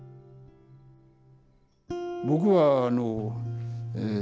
僕はあのえ